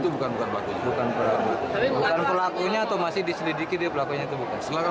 bukan pelakunya atau masih diselidiki dia pelakunya itu bukan